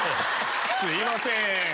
すいません。